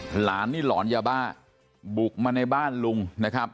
หลานนี่หลอนยาบ้าบุกมาในบ้านลุงนะครับ